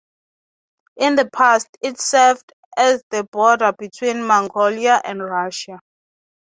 In the past, it served as the border between Mongolia and Russia.